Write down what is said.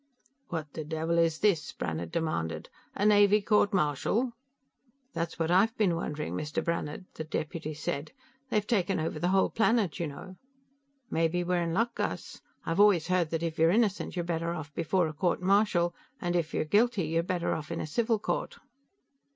"What the devil is this?" Brannhard demanded. "A Navy court martial?" "That's what I've been wondering, Mr. Brannhard," the deputy said. "They've taken over the whole planet, you know." "Maybe we're in luck, Gus. I've always heard that if you're innocent you're better off before a court martial and if you're guilty you're better off in a civil court."